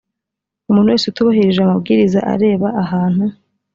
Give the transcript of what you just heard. umuntu wese utubahirije amabwiriza areba ahantu